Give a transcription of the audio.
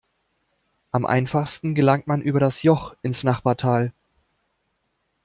Am einfachsten gelangt man über das Joch ins Nachbartal.